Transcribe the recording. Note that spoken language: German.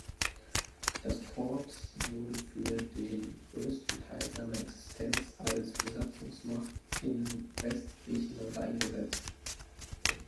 Das Korps wurde für den größten Teil seiner Existenz als Besatzungsmacht in Westgriechenland eingesetzt.